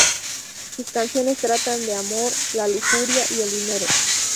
Sus canciones tratan de amor, la lujuria y el dinero.